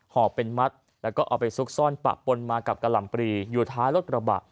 หอบเป็นมัดแล้วก็เอาไปซุกซ่อนปะปนมากับกะหล่ำปรีอยู่ท้ายรถกระบะ